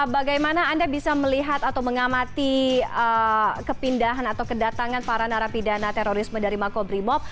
bagaimana anda bisa melihat atau mengamati kepindahan atau kedatangan para narapidana terorisme dari makobrimob